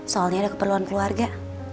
soalnya ada keperluan keluarga